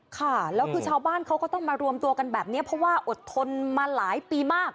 ค่ะแล้วคือชาวบ้านเขาก็ต้องมารวมตัวกันแบบนี้เพราะว่าอดทนมาหลายปีมาก